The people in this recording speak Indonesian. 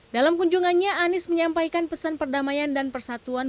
dalam kunjungannya anies menyampaikan pesan perdamaian dan persatuan